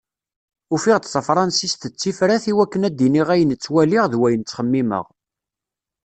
Ufiɣ-d tafransist d tifrat i wakken ad d-iniɣ ayen ttwaliɣ d wayen txemmimeɣ.